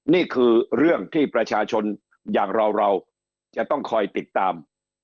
นี่คือเรื่องที่ประชาชนอย่างเราเราจะต้องคอยติดตาม